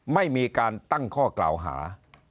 ไม่มีการตั้งข้อกล่าวหา